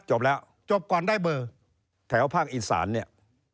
จบแล้วจบก่อนได้เบอร์แถวภาคอีสานเนี่ย